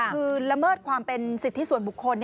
คือละเมิดความเป็นสิทธิส่วนบุคคล